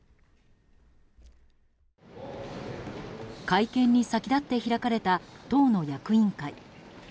会見に先立って開かれた党の役員会。